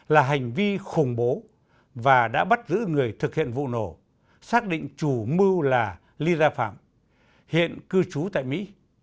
là hành vi khủng bố và đã bắt giữ người thực hiện vụ nổ xác định chủ mưu là ly gia phạm hiện cư trú tại mỹ